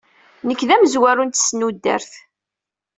Nekk d amezraw n tesnudert.